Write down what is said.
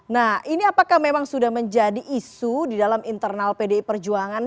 nah ini apakah memang sudah menjadi isu di dalam internal pdi perjuangan